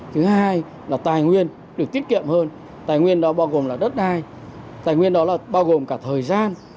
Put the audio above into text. thứ hai là tài nguyên được tiết kiệm hơn tài nguyên đó bao gồm là đất đai tài nguyên đó là bao gồm cả thời gian